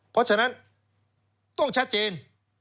เพราะฉะนั้นต้องชัดเจน